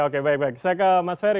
oke baik baik saya ke mas ferry